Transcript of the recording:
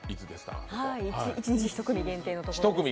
一日１組限定のところ。